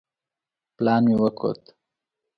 پلان مې وکوت.